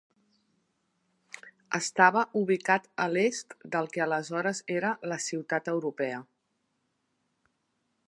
Estava ubicat a l'est del que aleshores era la Ciutat Europea.